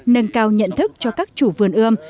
nâng cao nhận thức cho các chủ vườn ươm